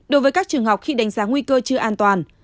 đối với các trường học khi đánh giá nguy cơ chưa an toàn